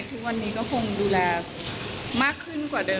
ทุกวันนี้ก็คงดูแลมากขึ้นกว่าเดิม